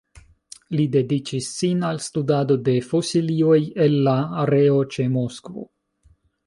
Li dediĉis sin al studado de fosilioj el la areo ĉe Moskvo.